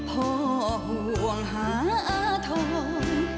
พอห่วงหาทอง